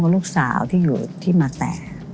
ลูกสาวที่มาแตก